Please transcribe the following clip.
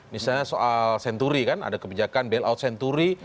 misalnya soal senturi kan ada kebijakan bail out senturi